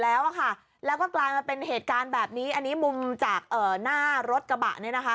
เราก็กลายมาเป็นเหตุการณ์แบบนี้อันนี้มุมจากหน้ารถกระบะ